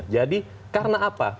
jadi karena apa